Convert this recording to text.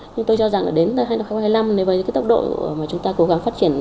nhưng tôi cho rằng đến năm hai nghìn hai mươi năm nếu với tốc độ mà chúng ta cố gắng phát triển